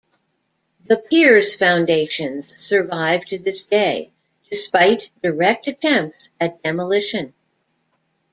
The piers foundations survive to this day, despite direct attempts at demolition.